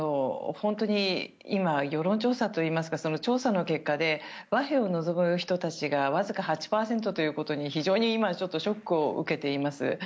今は世論調査といいますか調査の結果で和平を望む人たちがわずか８％ということに非常にショックを受けています。